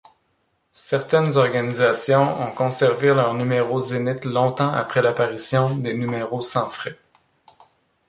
Certaines organisations ont conservé leurs numéros Zénith longtemps après l'apparition des numéros sans frais.